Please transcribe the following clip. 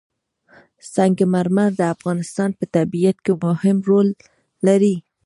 سنگ مرمر د افغانستان په طبیعت کې مهم رول لري.